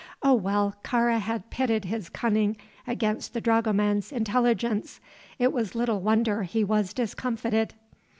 Oh, well Kāra had pitted his cunning against the dragoman's intelligence! It was little wonder he was discomfited.